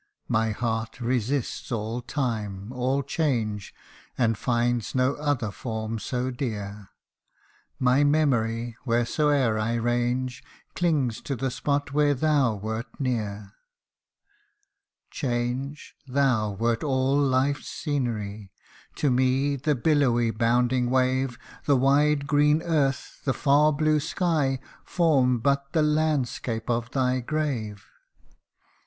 My heart resists all time all change, And finds no other form so dear. My memory, wheresoever I range, Clings to the spot where thou wert near. THE RINGLET. 251 Change ! thou wert all life's scenery : To me, the billowy, bounding wave The wide green earth the far blue sky, Form but the landscape of thy grave